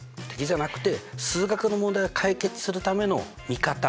敵じゃなくて数学の問題を解決するための味方。